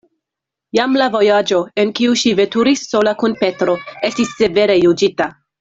Jam la vojaĝo, en kiu ŝi veturis sola kun Petro, estis severe juĝita.